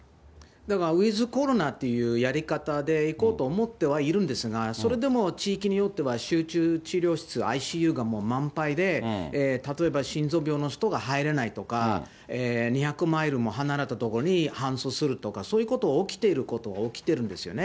だからウィズコロナっていうやり方でいこうと思ってはいるんですが、それでも地域によっては、集中治療室・ＩＣＵがもう満杯で、例えば、心臓病の人が入れないとか、２００マイルも離れた所に搬送するとか、そういうことが起きてることは起きてるんですよね。